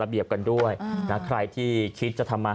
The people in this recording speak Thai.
ฟังเสียงคนที่ไปรับของกันหน่อย